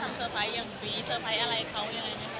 คุณต้องไปทำเซอร์ไพรส์อย่างปีเซอร์ไพรส์อะไรเขาอย่างไร